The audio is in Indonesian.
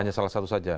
hanya salah satu saja